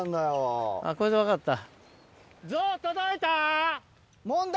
これで分かった。